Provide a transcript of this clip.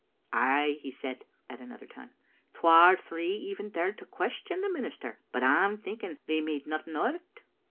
" "Ay," he said at another time, "twa or three even dared to question the minister, but I'm thinking they made nothing o't.